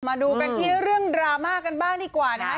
มาดูกันที่เรื่องดราม่ากันบ้างดีกว่านะคะ